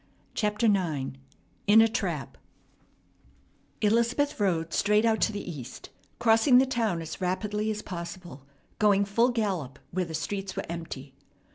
CHAPTER IX IN A TRAP Elizabeth rode straight out to the east, crossing the town as rapidly as possible, going full gallop where the streets were empty.